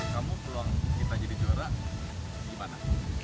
kamu peluang kita jadi juara gimana